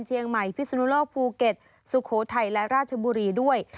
เชียงใหม่พิศนุโลกภูเก็ตสุโขทัยและราชบุรีด้วย